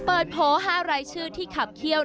โผล่๕รายชื่อที่ขับเขี้ยว